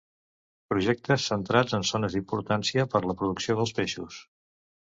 Projectes centrats en zones d'importància per la reproducció dels peixos.